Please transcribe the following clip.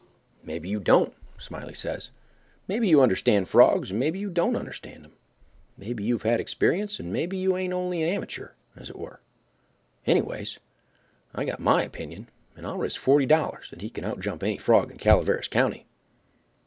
"Maybe you don't," Smiley says. "Maybe you understand frogs and maybe you don't understand 'em; maybe you've had experience, and maybe you ain't only a amature, as it were. Anyways, I've got my opinion and I'll risk forty dollars that he can outjump any frog in Calaveras County."